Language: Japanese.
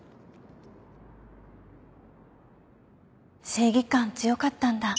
正義感強かったんだ。